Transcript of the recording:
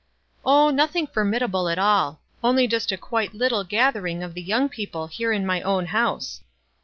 "Oh, nothing formidable at all — only just a quite little gathering of the young people here in my own house.